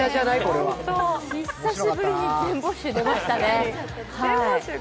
久しぶりに全没収、出ましたね。